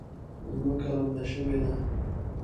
ځمکه لمده شوې ده